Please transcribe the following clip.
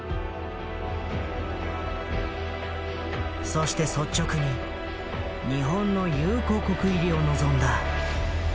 そして率直に日本の友好国入りを望んだ。